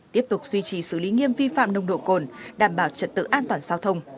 tiếp tục duy trì xử lý nghiêm vi phạm nông độ cồn đảm bảo trật tự an toàn giao thông